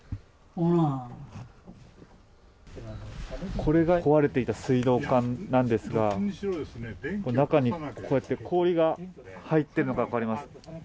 これが壊れていた水道管なんですが中に氷が入っているのが分かります。